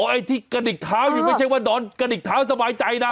ไอ้ที่กระดิกเท้าอยู่ไม่ใช่ว่านอนกระดิกเท้าสบายใจนะ